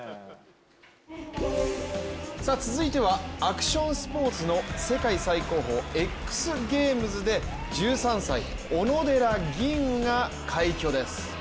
続いてはアクションスポーツの世界最高峰ＸＧａｍｅｓで、１３歳小野寺吟雲が快挙です。